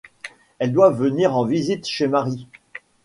Elles doivent venir en visite chez Marie.